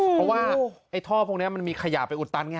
เพราะว่าไอ้ท่อพวกนี้มันมีขยะไปอุดตันไง